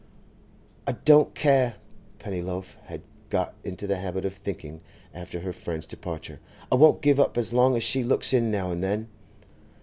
'I don't care,' Pennyloaf had got into the habit of thinking, after her friend's departure, 'I won't give up as long as she looks in now and then.